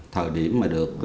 thời điểm mà được chính phủ